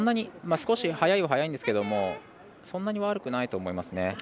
少し速いは速いんですがそんなに悪くないと思いますね。